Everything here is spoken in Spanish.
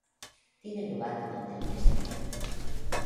Tiene lugar durante el mes de mayo.